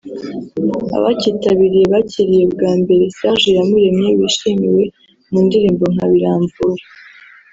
Abacyitabiriye bakiriye bwa mbere Serge Iyamuremye wishimiwe mu ndirimbo nka “Biramvura”